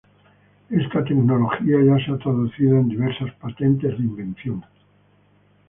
Esta tecnología ya se ha traducido en diversas patentes de invención.